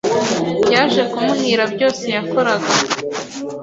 Byaje kumuhira byose yakoraga